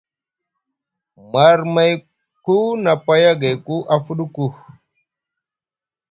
Marmayku nʼa paya gayku a fuɗuku.